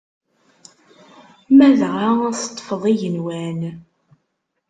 Ma dɣa teṭṭfeḍ igenwan.